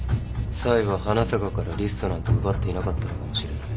サイは花坂からリストなんて奪っていなかったのかもしれない。